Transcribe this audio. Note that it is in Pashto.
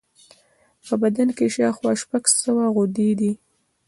په بدن کې شاوخوا شپږ سوه غدودي دي.